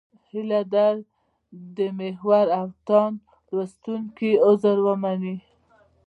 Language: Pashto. هیله ده د محور او تاند لوستونکي عذر ومني.